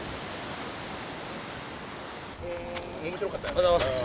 おはようございます。